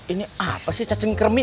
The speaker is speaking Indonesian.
ini apa sih cacing kerming